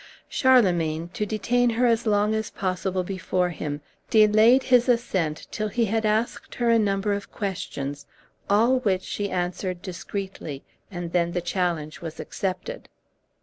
Charlemagne, to detain her as long as possible before him, delayed his assent till he had asked her a number of questions, all which she answered discreetly, and then the challenge was accepted.